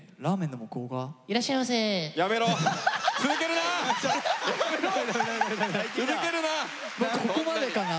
もうここまでかな。